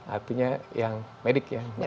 artinya yang medik ya